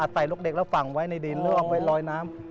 ใส่ลูกเด็กแล้วฝังไว้ในดินแล้วเอาไว้ลอยน้ำ